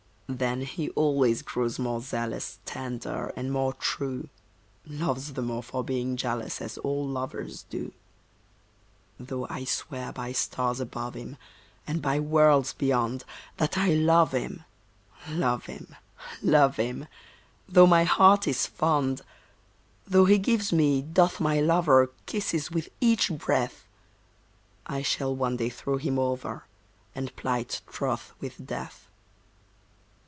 Then he always grows more zealous, Tender, and more true; Loves the more for being jealous, As all lovers do. Though I swear by stars above him, And by worlds beyond, That I love him—love him—love him; Though my heart is fond; Though he gives me, doth my lover, Kisses with each breath— I shall one day throw him over, And plight troth with Death.